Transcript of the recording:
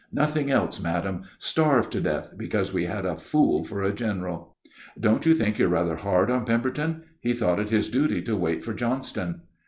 Nothing else, madam! Starved to death because we had a fool for a general." "Don't you think you're rather hard on Pemberton? He thought it his duty to wait for Johnston."